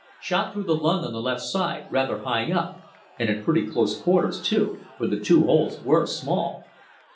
Shot through the lung, on the left side, rather high up, and at pretty close quarters too, for the two holes were small.